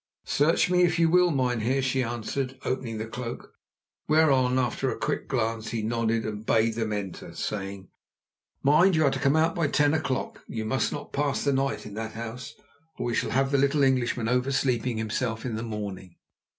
"Search me, if you will, mynheer," she answered, opening the cloak, whereon, after a quick glance, he nodded and bade them enter, saying: "Mind, you are to come out by ten o'clock. You must not pass the night in that house, or we shall have the little Englishman oversleeping himself in the morning."